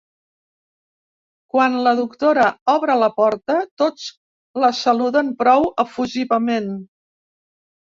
Quan la doctora obre la porta tots la saluden prou efusivament.